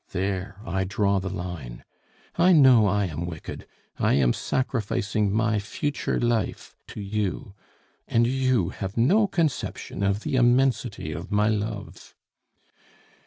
There I draw the line. I know I am wicked; I am sacrificing my future life to you. And you have no conception of the immensity of my love."